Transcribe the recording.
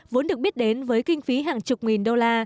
vốn được biết đến với kinh phí hàng chục nghìn đô la